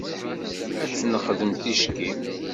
Ad t-nexdem ticki.